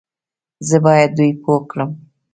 زه بايد دوی پوه کړم